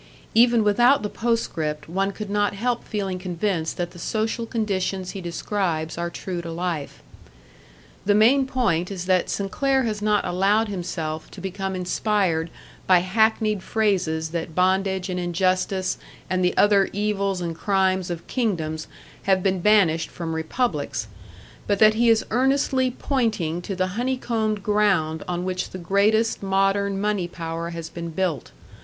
Even without the postscript one could not help feeling convinced that the social conditions he describes are true to life. The main point is that Sinclair has not allowed himself to become inspired by hackneyed phrases that bondage and injustice and the other evils and crimes of Kingdoms have been banished from Republics, but that he is earnestly pointing to the honeycombed ground on which the greatest modern money power has been built.